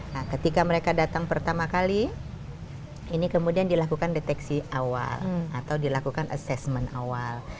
nah ketika mereka datang pertama kali ini kemudian dilakukan deteksi awal atau dilakukan assessment awal